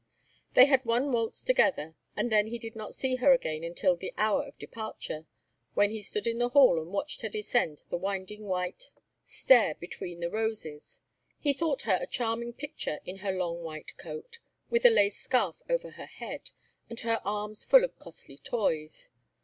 They had one waltz together and then he did not see her again until the hour of departure, when he stood in the hall and watched her descend the winding white stair between the roses. He thought her a charming picture in her long white coat, with a lace scarf over her head, and her arms full of costly toys.